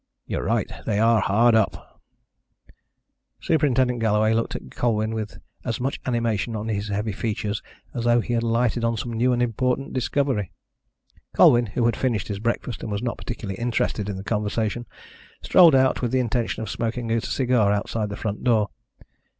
You're right, they are hard up." Superintendent Galloway looked at Colwyn with as much animation on his heavy features as though he had lighted on some new and important discovery. Colwyn, who had finished his breakfast and was not particularly interested in the conversation, strolled out with the intention of smoking a cigar outside the front door.